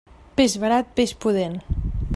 Peix barat, peix pudent.